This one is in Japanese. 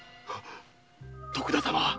徳田様！